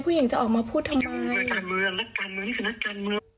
ผู้หญิงจะออกมาพูดทำไม